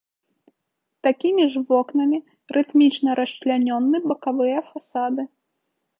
Такімі ж вокнамі рытмічна расчлянёны бакавыя фасады.